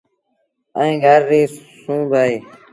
ائيٚݩ گھر ريٚ سُون با اهي۔